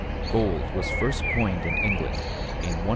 Gold was first coined in England in 1087.